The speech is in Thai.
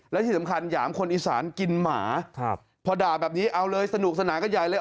และที่สำคัญหยามคนอีสานกินหมาพอด่าแบบนี้เอาเลยสนุกสนานกันใหญ่เลย